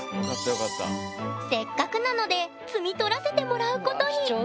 せっかくなので摘みとらせてもらうことに貴重だよ。